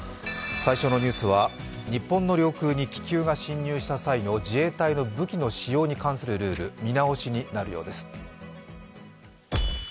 最初のニュースは日本の領空に気球が侵入した際の武器の使用ルール、見直しになるようです。